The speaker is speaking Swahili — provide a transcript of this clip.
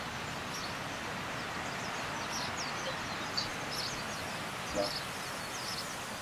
Tangu wakati huo al Shabab kwa bahati mbaya imekuwa na nguvu zaidi afisa wa IKULU ya Amerka